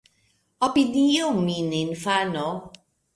Opiniu min infano.